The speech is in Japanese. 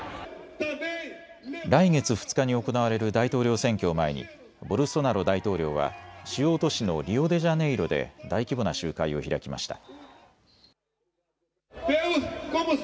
来月２日に行われる大統領選挙を前にボルソナロ大統領は主要都市のリオデジャネイロで大規模な集会を開きました。